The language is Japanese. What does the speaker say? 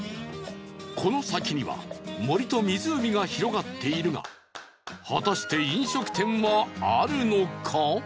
この先には森と湖が広がっているが果たして飲食店はあるのか？